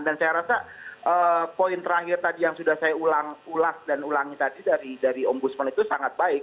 dan saya rasa poin terakhir tadi yang sudah saya ulas dan ulangi tadi dari om busman itu sangat baik